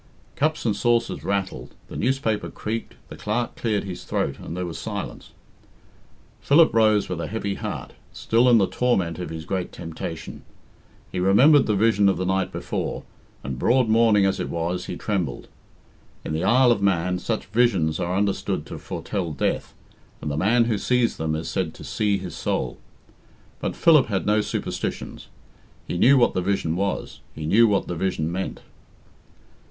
Cups and saucers rattled, the newspaper creaked, the Clerk cleared his throat, and there was silence. Philip rose with a heavy heart, still in the torment of his great temptation. He remembered the vision of the night before, and, broad morning as it was, he trembled. In the Isle of Man such visions are understood to foretell death, and the man who sees them is said to "see his soul." But Philip had no superstitions. He knew what the vision was: he knew what the vision meant.